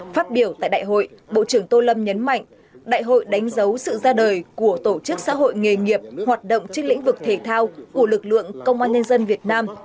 phát biểu tại đại hội bộ trưởng tô lâm nhấn mạnh đại hội đánh dấu sự ra đời của tổ chức xã hội nghề nghiệp hoạt động trên lĩnh vực thể thao của lực lượng công an nhân dân việt nam